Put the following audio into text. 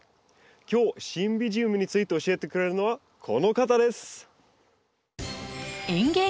今日シンビジウムについて教えてくれるのはこの方です。